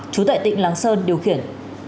chú tệ tỉnh láng sơn điều khiển